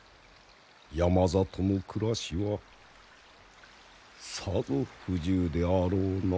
山里の暮らしはさぞ不自由であろうな。